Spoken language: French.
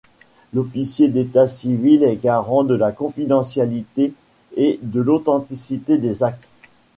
L’officier d’état civil est garant de la confidentialité et de l’authenticité des actes.